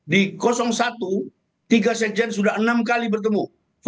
di satu tiga sekjen sudah enam kali bertemu